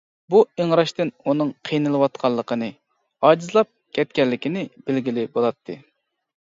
بۇ ئىڭراشتىن ئۇنىڭ قىينىلىۋاتقانلىقىنى، ئاجىزلاپ كەتكەنلىكىنى بىلگىلى بولاتتى.